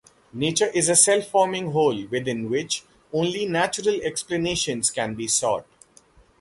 Nature is a self-forming whole, within which only natural explanations can be sought.